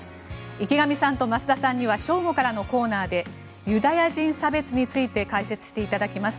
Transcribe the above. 池上さんと増田さんには正午からのコーナーでユダヤ人差別について解説していただきます。